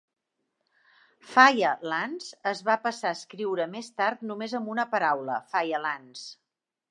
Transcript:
"Fire Lands" es va passar a escriure més tard només amb una paraula: "Firelands".